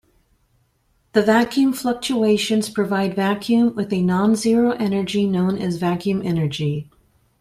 The vacuum fluctuations provide vacuum with a non-zero energy known as vacuum energy.